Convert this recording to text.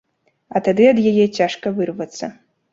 А тады ад яе цяжка вырвацца.